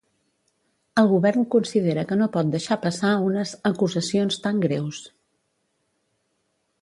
El govern considera que no pot deixar passar unes ‘acusacions tan greus’.